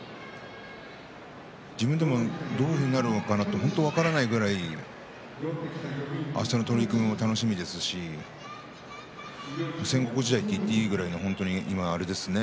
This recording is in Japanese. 自分でもどういうふうになるのか分からないぐらい明日の取組が楽しみですし戦国時代と言ってもいいぐらいですね。